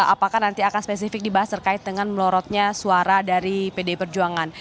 apakah nanti akan spesifik dibahas terkait dengan melorotnya suara dari pdi perjuangan